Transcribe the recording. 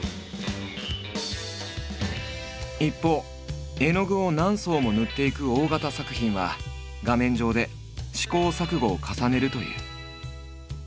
一方絵の具を何層も塗っていく大型作品は画面上で試行錯誤を重ねるという。